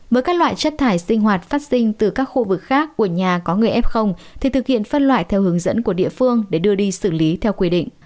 với các loại chất thải sinh hoạt phát sinh từ các khu vực khác của nhà có người f thì thực hiện phân loại theo hướng dẫn của địa phương để đưa đi xử lý theo quy định